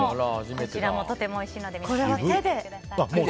こちらもとてもおいしいのでお召し上がりください。